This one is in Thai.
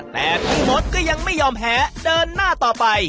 แต่พี่มดก็ยังไม่ยอมแพ้เดินหน้าต่อไป